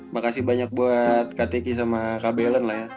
makasih banyak buat ktk sama kbln lah ya